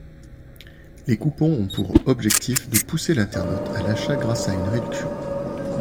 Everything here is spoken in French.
Les coupons ont pour objectif de pousser l'internaute à l'achat grâce à une réduction.